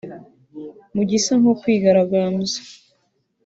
Mu gisa nko kwigaragambya